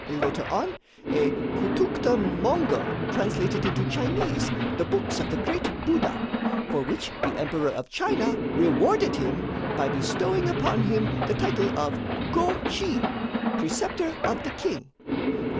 Later on, a Khoutoukhte Mongol translated into Chinese the books of the great Buddha, for which the Emperor of China rewarded him by bestowing upon him the title of 'Go Chi 'Preceptor of the King!'